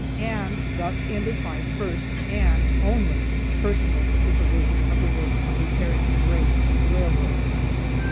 And thus ended my first, and only, personal supervision of the work of repairing a break in a railroad.